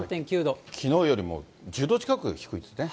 きのうよりも１０度近く低いですね。